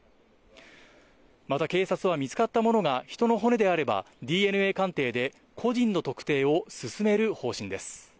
また警察は、見つかったものが人の骨であれば、ＤＮＡ鑑定で個人の特定を進める方針です。